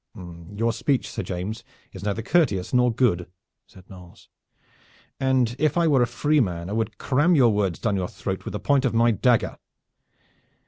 "Your speech, Sir James, is neither courteous nor good," said Knolles, "and if I were a free man I would cram your words down your throat with the point of my dagger.